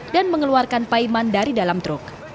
dan mengeluarkan paiman dari dalam truk